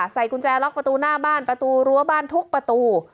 ใส่กุญแจล็อกประตูหน้าบ้านประตูรั้วบ้านทุกประตู